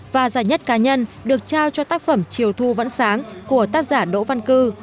và giải nhất cá nhân được trao cho tác phẩm chiều thu vẫn sáng của tác giả đỗ văn cư